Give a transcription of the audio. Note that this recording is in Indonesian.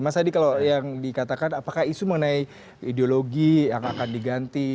mas adi kalau yang dikatakan apakah isu mengenai ideologi yang akan diganti